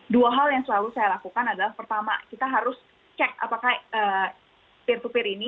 dua hal yang selalu saya lakukan adalah pertama kita harus cek apakah peer to peer ini